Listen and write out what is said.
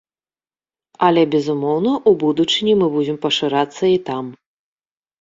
Але, безумоўна, у будучыні мы будзем пашырацца і там.